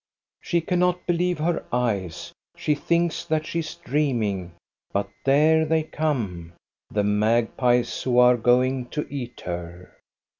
She cannot believe her eyes. She thinks that she is dreaming, but there they come, the magpies who are going to eat her.